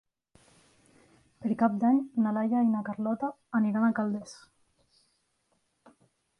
Per Cap d'Any na Laia i na Carlota aniran a Calders.